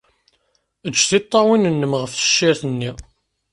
Eǧǧ tiṭṭawin-nnem ɣef tcirt-nni.